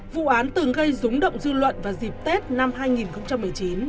vụ án từng gây rúng động dư luận vào dịp tết năm hai nghìn một mươi chín